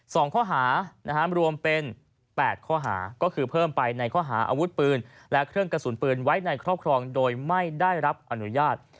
สองข้อหานะฮะรวมเป็นแปดข้อหาก็คือเพิ่มไปในข้อหาอาวุธปืนและเครื่องกระสุนปืนไว้ในครอบครองโดยไม่ได้รับอนุญาต